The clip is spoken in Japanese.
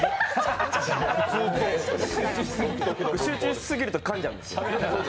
集中しすぎると、かんじゃうんですよね。